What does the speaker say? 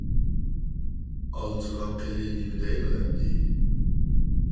ئالجىغان قېرى نېمە دەيدۇ ئەمدى؟!